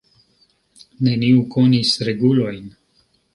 Neniu konis regulojn.